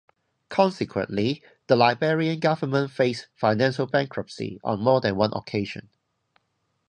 Consequently, the Liberian Government faced financial bankruptcy on more than one occasion.